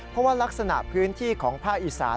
เพราะว่ารักษณะพื้นที่ของภาคอีสาน